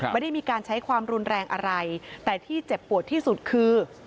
ไม่ได้มีการใช้ความรุนแรงอะไรแต่ที่เจ็บปวดที่สุดคือ